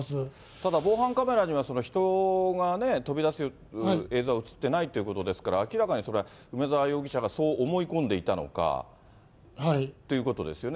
ただ防犯カメラには、人が飛び出す映像は映ってないということですから、明らかにそれは、梅沢容疑者がそう思い込んでいたのかということですよね。